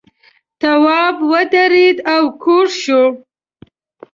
تواب ودرېد او کوږ شو.